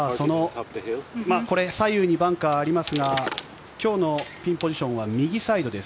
左右にバンカーがありますが今日のピンポジションは右サイドです。